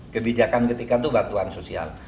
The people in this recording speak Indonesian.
kebijakan ketika itu bantuan sosial